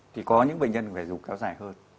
thì có những bệnh nhân phải dùng kéo dài hơn